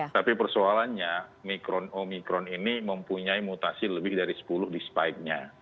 tapi persoalannya omikron ini mempunyai mutasi lebih dari sepuluh despike nya